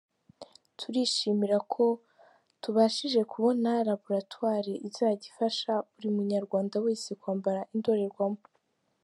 Turishimira ko tubashije kubona laboratoire izajya ifasha buri munyarwanda wese kwambara indorerwamo”.